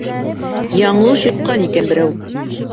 Яңылыш йотҡан икән берәү.